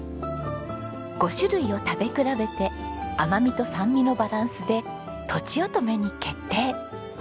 ５種類を食べ比べて甘みと酸味のバランスでとちおとめに決定。